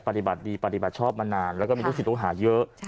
ปฏิบัติดีปฏิบัติชอบมานานแล้วก็มีลูกศิษย์ลูกหาเยอะ